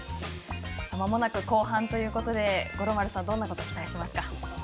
まもなく後半ということで五郎丸さんどんなことに期待しますか？